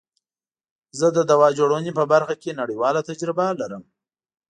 زه د دوا جوړونی په برخه کی نړیواله تجربه لرم.